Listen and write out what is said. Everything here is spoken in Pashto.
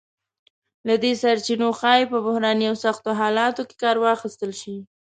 له دې سرچینو ښایي په بحراني او سختو حالتونو کې کار واخیستل شی.